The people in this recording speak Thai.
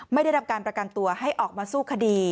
ไม่ได้รับการประกันตัวให้ออกมาสู้คดี